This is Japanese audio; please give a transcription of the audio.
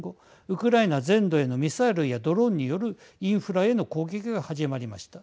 ウクライナ全土へのミサイルやドローンによるインフラへの攻撃が始まりました。